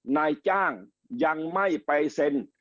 นายจ้างยังไม่ไปเซ็น